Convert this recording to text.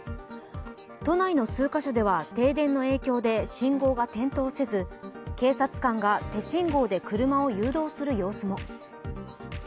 都内の数カ所では停電の影響で信号が点灯せず警察官が手信号で車を誘導する様子も。